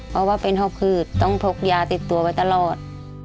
เพราะว่าเป็นหอบหืดต้องพกยาติดตัวไปตลอด